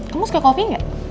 kamu suka kopi enggak